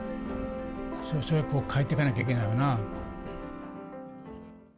それをこう、変えていかなきゃいけないわな。